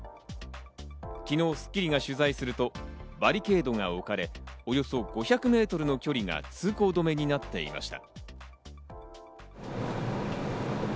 昨日『スッキリ』が取材するとバリケードが置かれ、およそ５００メートルの距離が通行止めになっていました。